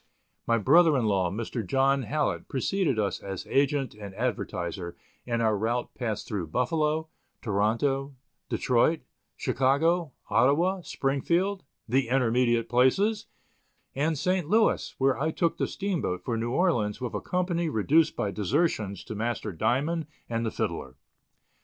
My brother in law, Mr. John Hallett, preceded us as agent and advertiser, and our route passed through Buffalo, Toronto, Detroit, Chicago, Ottawa, Springfield, the intermediate places, and St. Louis, where I took the steamboat for New Orleans with a company reduced by desertions to Master Diamond and the fiddler.